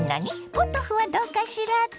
ポトフはどうかしらって？